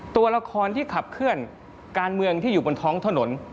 ตัวละครที่ขับเคลื่อนการเมืองที่อยู่บนท้องถนน